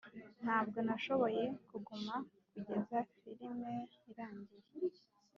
ntabwo nashoboye kuguma kugeza firime irangiye.